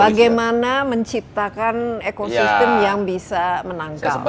bagaimana menciptakan ekosistem yang bisa menangkal